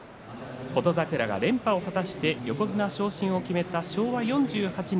琴櫻が連覇を果たして横綱昇進を決めた昭和４８年